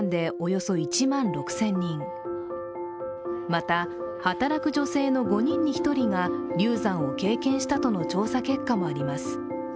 また、働く女性の５人に１人が流産を経験したとの調査結果もあります。